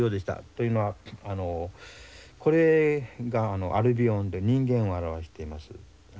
というのはこれがアルビオンで人間を表しています。